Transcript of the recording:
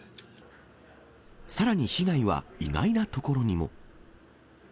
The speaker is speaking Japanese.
さらに被害は意外なところにも。